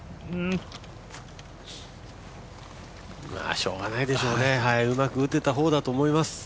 しょうがないでしょうね、うまく打てた方だと思います。